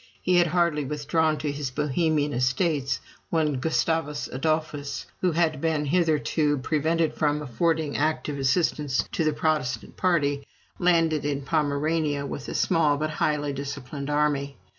He had hardly withdrawn to his Bohemian estates, when Gustavus Adolphus, who had been hitherto prevented from affording active assistance to the Protestant party, landed in Pomerania with a small but highly disciplined army.